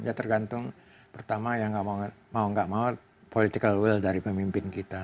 ya tergantung pertama ya mau nggak mau political will dari pemimpin kita